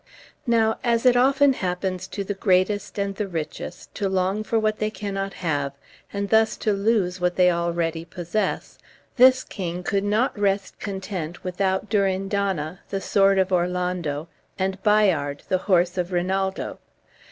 Now, as it often happens to the greatest and the richest to long for what they cannot have, and thus to lose what they already possess, this king could not rest content without Durindana, the sword of Orlando, and Bayard, the horse of Rinaldo.